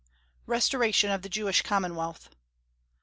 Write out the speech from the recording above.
RESTORATION OF THE JEWISH COMMONWEALTH.